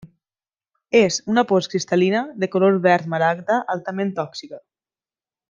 És una pols cristal·lina de color verd maragda altament tòxica.